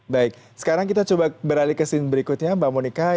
baik sekarang kita coba beralih ke scene berikutnya mbak monika